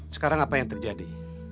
sekarang apa yang terjadi